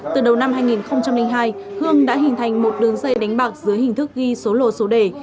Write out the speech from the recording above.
từ đầu năm hai nghìn hai hương đã hình thành một đường dây đánh bạc dưới hình thức ghi số lô số đề